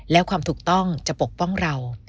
แล้วความถูกต้องจะปกป้องเรา